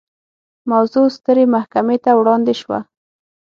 موضوع سترې محکمې ته وړاندې شوه.